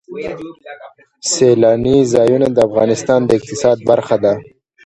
سیلانی ځایونه د افغانستان د اقتصاد برخه ده.